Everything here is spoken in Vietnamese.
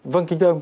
vâng kính thưa ông